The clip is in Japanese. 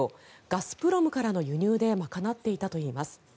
ガスプロムからの輸入で賄っていたといいます。